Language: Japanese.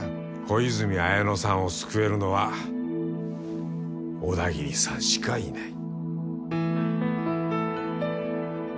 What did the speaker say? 小泉文乃さんを救えるのは小田切さんしかいない。